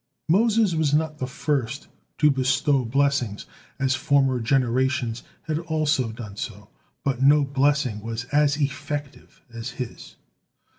Moses was not the first to bestow blessings, as former generations had also done so, but no blessing was as effective as his.